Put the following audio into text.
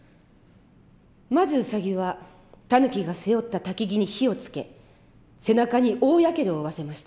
まずウサギはタヌキが背負った薪に火をつけ背中に大やけどを負わせました。